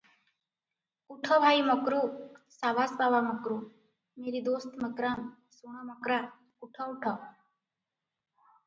“ଉଠ ଭାଇ ମକ୍ରୁ! ସାବାସ ବାବା ମକ୍ରୁ! ମେରି ଦୋସ୍ତ ମକ୍ରାମ୍! ଶୁଣ ମକ୍ରା, ଉଠ, ଉଠ ।